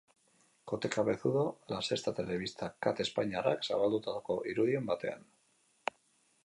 Kote Cabezudo, La Sexta telebista kate espainiarrak zabaldutako irudi batean.